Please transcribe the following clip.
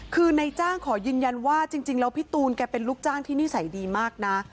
คือในจ้างขอยืนยันว่าจริงแล้วพี่ตูนแกเป็นลูกจ้างที่นิสัยดีมากนะ